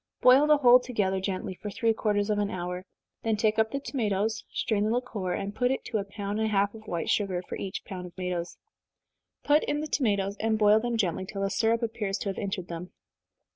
Boil the whole together gently, for three quarters of an hour then take up the tomatoes, strain the liquor, and put to it a pound and a half of white sugar, for each pound of tomatoes. Put in the tomatoes, and boil them gently, till the syrup appears to have entered them.